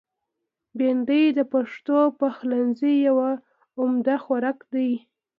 بېنډۍ د پښتو پخلنځي یو عمده خوراک دی